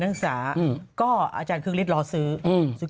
เราไม่ดู